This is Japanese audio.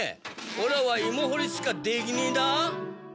オラはイモ掘りしかできねえだ。